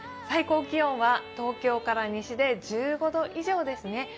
最高気温は東京から西で１５度以上ですね。